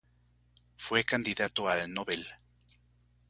Fue candidato al Nobel.